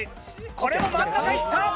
これも真ん中いった！